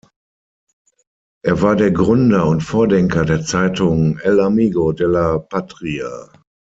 Er war der Gründer und Vordenker der Zeitung "El Amigo de la Patria".